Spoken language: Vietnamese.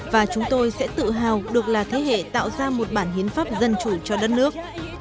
và chúng tôi sẽ tự hào được là thế hệ tạo ra một bản hiến pháp dân chủ cho đất nước